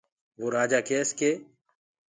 وو رآجآ ڪيس ڪي